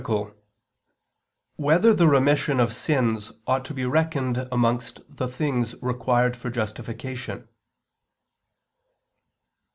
6] Whether the Remission of Sins Ought to Be Reckoned Amongst the Things Required for Justification?